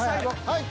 はい。